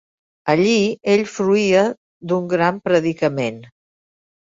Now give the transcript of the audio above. Allí, ell fruïa d'un gran predicament.